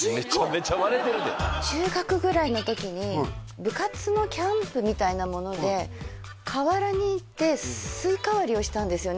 中学ぐらいの時に部活のキャンプみたいなもので河原に行ってああよくありましたよね